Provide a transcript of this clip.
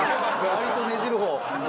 割とねじる方？